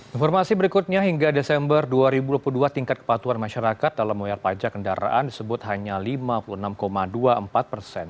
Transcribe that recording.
informasi berikutnya hingga desember dua ribu dua puluh dua tingkat kepatuan masyarakat dalam membayar pajak kendaraan disebut hanya lima puluh enam dua puluh empat persen